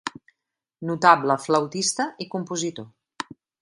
Notable flautista i compositor.